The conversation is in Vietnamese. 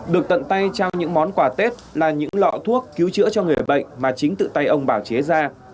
được tận tay trao những món quà tết là những lọ thuốc cứu chữa cho người bệnh mà chính tự tay ông bảo chế ra